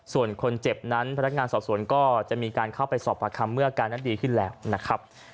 ส่วนคนเจ็บนั้นพนักงานสอบสวนก็จะมีการเข้าไปสอบประคำเมื่ออาการนั้นดีขึ้นแล้วนะครับ